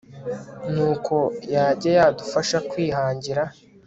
nuko yajya yadufasha kwihangira